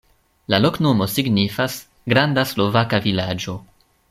La loknomo signifas: granda-slovaka-vilaĝo.